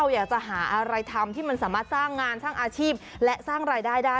อยากจะหาอะไรทำที่มันสามารถสร้างงานสร้างอาชีพและสร้างรายได้ได้